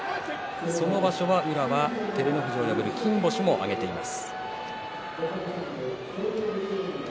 その場所は宇良は照ノ富士を破る金星も挙げています。